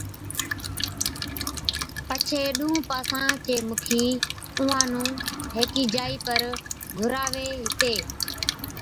پڇي ڏُونھُون پاسان چي مُکِي اُونھان نُون ھيڪِي جائِي پر گھُراوي ھَتي